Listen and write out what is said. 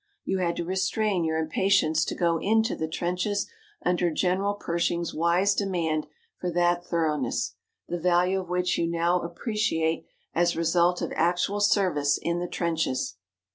You had to restrain your impatience to go into the trenches under General Pershing's wise demand for that thoroughness, the value of which you now appreciate as a result of actual service in the trenches.